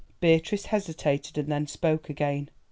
Beatrice hesitated, and then spoke again.